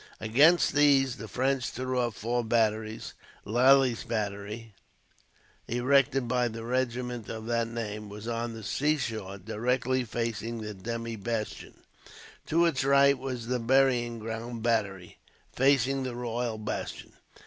Against these the French threw up four batteries. Lally's Battery, erected by the regiment of that name, was on the seashore directly facing the demi bastion. To its right was the Burying Ground Battery, facing the Royal Bastion.